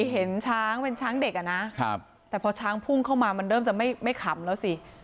เห็นช้างเป็นช้างเด็กอ่ะนะแต่พอช้างพุ่งเข้ามามันเริ่มจะไม่ขำแล้วสิ